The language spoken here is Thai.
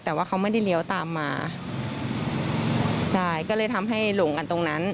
แต่ว่าเขาไม่ได้เลี้ยวตามมาใช่ก็เลยทำให้หลงกันตรงนั้น